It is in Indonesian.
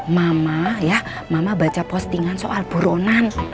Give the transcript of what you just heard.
mama ya mama baca postingan soal buronan